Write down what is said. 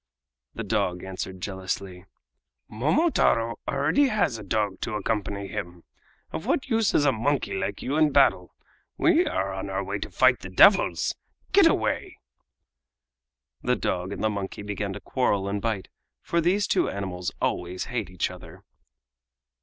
The dog answered jealously: "Momotaro already has a dog to accompany him. Of what use is a monkey like you in battle? We are on our way to fight the devils! Get away!" The dog and the monkey began to quarrel and bite, for these two animals always hate each other.